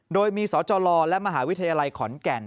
โดยมีสจลและมหาวิทยาลัยขอนแก่น